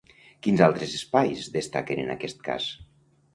Quins altres espais destaquen en aquest cas?